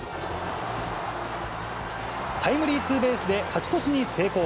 タイムリーツーベースで、勝ち越しに成功。